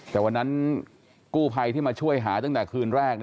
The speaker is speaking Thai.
แต่วันนั้นกู้ภัยที่มาช่วยหาตั้งแต่คืนแรก